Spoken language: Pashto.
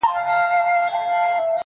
بيا دې د سندرو و جمال ته گډ يم,